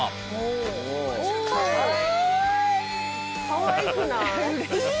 かわいくない？